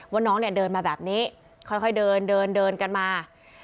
น้องเนี่ยเดินมาแบบนี้ค่อยเดินเดินกันมา